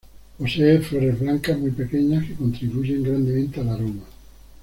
Posee flores blancas muy pequeñas, que contribuyen grandemente al aroma.